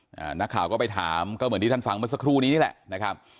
นักข่าวก็ไปถามก็เหมือนที่ท่านฟังเมื่อสักครู่นี้นี่แหละนะครับ